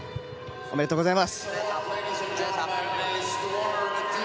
おめでとうございます。